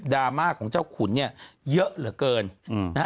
ดราม่าของเจ้าขุนเยอะเหลือเกิน